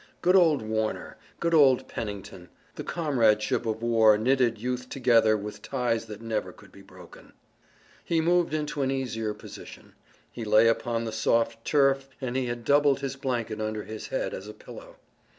Good old Warner! Good old Pennington! The comradeship of war knitted youth together with ties that never could be broken. He moved into an easier position. He lay upon the soft turf and he had doubled his blanket under his head as a pillow.